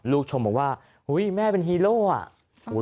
ลูกชมบอกว่าแม่เป็นฮีโร่อ่ะ